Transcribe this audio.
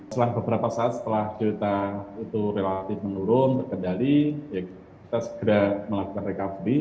selama beberapa saat setelah juta itu relatif menurun berkendali kita segera melakukan recovery